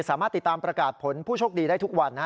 สามารถติดตามประกาศผลผู้โชคดีได้ทุกวัน